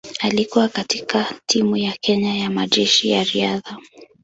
Alikuwa katika timu ya Kenya ya Majeshi ya Riadha.